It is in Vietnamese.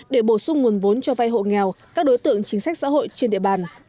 để bổ sung nguồn vốn cho vay hộ nghèo các đối tượng chính sách xã hội trên địa bàn